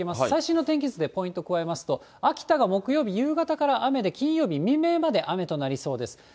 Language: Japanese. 最新の天気図でポイント加えますと、秋田が木曜日、夕方から雨で、金曜日未明まで雨となりそうです。